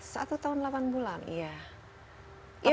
satu tahun lapan bulan iya